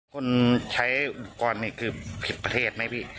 คนใช้อุปกรณ์นี้คือผิดประเทศไหมพี่